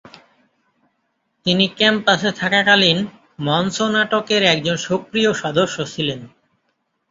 তিনি ক্যাম্পাসে থাকাকালীন মঞ্চ নাটকের একজন সক্রিয় সদস্য ছিলেন।